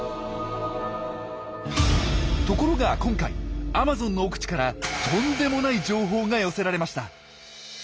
ところが今回アマゾンの奥地からとんでもない情報が寄せられました。